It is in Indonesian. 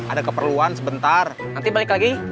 ada keperluan sebentar nanti balik lagi